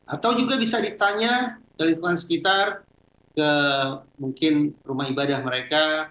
atau juga bisa ditanya ke lingkungan sekitar ke mungkin rumah ibadah mereka